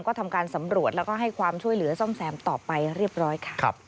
ก็ทำการสำรวจแล้วก็ให้ความช่วยเหลือซ่อมแซมต่อไปเรียบร้อยค่ะ